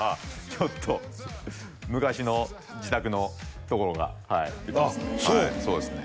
ちょっと昔の自宅のところがはいそうそうですね